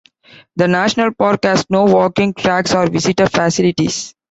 The national park has no walking tracks or visitor facilities.